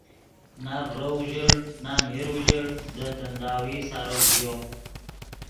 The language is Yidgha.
نہ ڤرو اوژڑ نہ میر اوژڑ دے تنداوی سارو ژیو